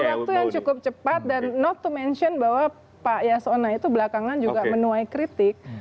waktu yang cukup cepat dan not to mention bahwa pak yasona itu belakangan juga menuai kritik